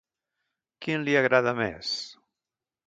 Quin li agrada més?